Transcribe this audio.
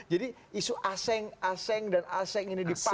jadi isu aseng aseng dan aseng ini dipakai